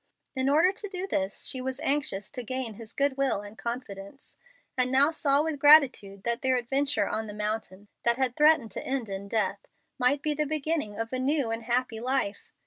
In order to do this, she was anxious to gain his good will and confidence, and now saw with gratitude that their adventure on the mountain, that had threatened to end in death, might be the beginning of a new and happy life.